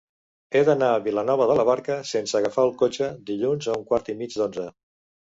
He d'anar a Vilanova de la Barca sense agafar el cotxe dilluns a un quart i mig d'onze.